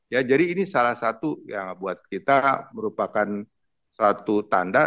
ya jadi ini salah satu yang buat kita merupakan satu tanda